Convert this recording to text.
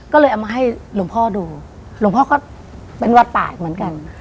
ก็เลยเอามาให้หลวงพ่อดูหลวงพ่อก็เป็นวัดตายเหมือนกัน